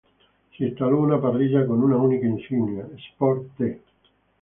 Se instaló una parrilla con una única insignia "spor t".